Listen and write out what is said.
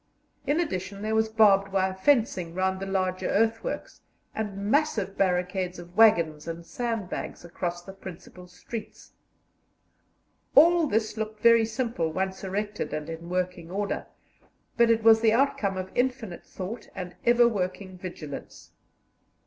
In addition there was barbed wire fencing round the larger earthworks, and massive barricades of waggons and sandbags across the principal streets. All this looked very simple once erected and in working order, but it was the outcome of infinite thought and ever working vigilance.